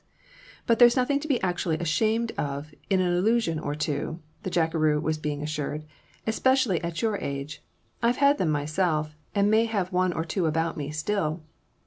"But there's nothing to be actually ashamed of in an illusion or two," the jackeroo was being assured, "especially at your age. I've had them myself, and may have one or two about me still.